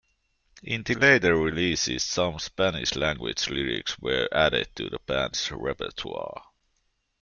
In the later releases, some Spanish language lyrics were added to the band's repertoire.